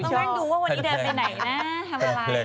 ต้องเร่งดูว่าวันนี้เดินไปไหนนะทำอะไร